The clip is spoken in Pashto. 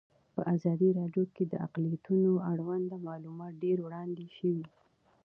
په ازادي راډیو کې د اقلیتونه اړوند معلومات ډېر وړاندې شوي.